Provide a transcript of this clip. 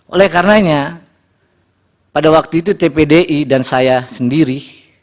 oleh karenanya pada waktu itu tpdi dan saya sendiri